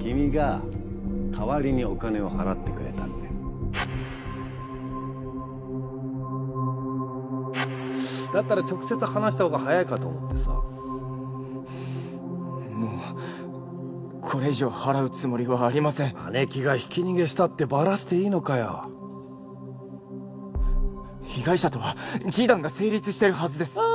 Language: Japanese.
君が代わりにお金を払ってくれたってだったら直接話した方がもうこれ以上払うつもりはありません姉貴がひき逃げしたってばらしていい被害者とは示談が成立してるはずですあ